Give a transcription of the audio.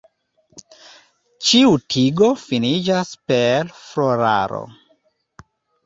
Ĉiu tigo finiĝas per floraro.